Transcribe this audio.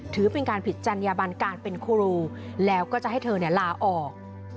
ถือเป็นการผิดจัญญบันการเป็นครูแล้วก็จะให้เธอลาออก